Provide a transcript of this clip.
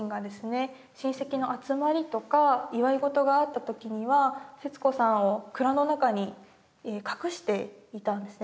親戚の集まりとか祝い事があった時には節子さんを蔵の中に隠していたんですね。